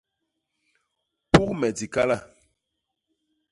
Puk me dikala.